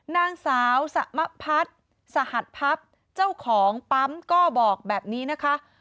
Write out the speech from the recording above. นางสาวสมพัฒน์สหัสพับเจ้าของปั๊มก็บอกแบบนี้นะคะ